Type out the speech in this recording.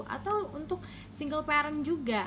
atau untuk single parent juga